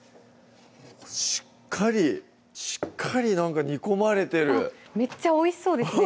しっかりしっかりなんか煮込まれてるめっちゃおいしそうですね